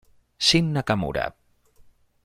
Shin Nakamura